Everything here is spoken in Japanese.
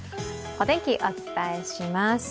お天気、お伝えします。